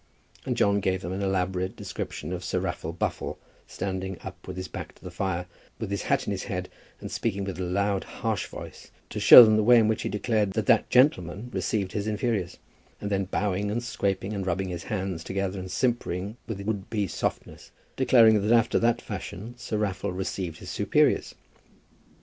And John gave them an elaborate description of Sir Raffle Buffle, standing up with his back to the fire with his hat on his head, and speaking with a loud harsh voice, to show them the way in which he declared that that gentleman received his inferiors; and then bowing and scraping and rubbing his hands together and simpering with would be softness, declaring that after that fashion Sir Raffle received his superiors.